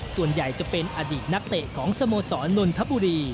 ส่วนใหญ่จะเป็นอดีตนักเตะของสโมสรนนทบุรี